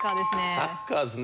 サッカーですね。